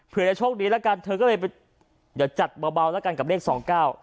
เพื่อจะโชคดีแล้วกันเธอก็เลยไปเดี๋ยวจัดเบาเบาแล้วกันกับเลขสองเก้า